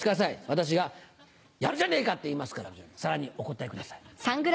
私が「やるじゃねえか」って言いますからさらにお答えください。